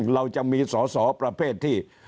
เราจะมีสอสอประเภทที่